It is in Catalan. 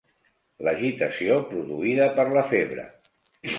L'agitació produïda per la febre.